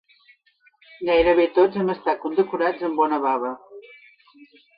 Gairebé tots hem estat condecorats amb bona bava.